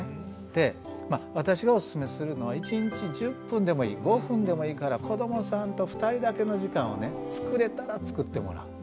で私がおすすめするのは一日１０分でもいい５分でもいいから子どもさんと２人だけの時間をねつくれたらつくってもらう。